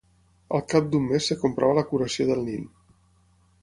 Al cap d'un mes es comprova la curació del nin.